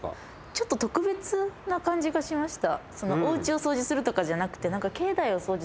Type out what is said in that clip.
ちょっと特別な感じがしました。